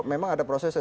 memang ada prosesnya